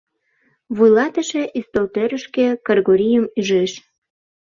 Вуйлатыше ӱстелтӧрышкӧ Кыргорийым ӱжеш.